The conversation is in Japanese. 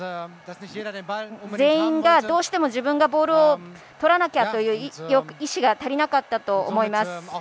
全員がどうしても自分がボールをとらなきゃという意思が足りなかったと思います。